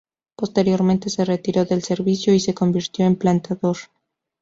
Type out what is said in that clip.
Posteriormente se retiró del servicio y se convirtió en plantador.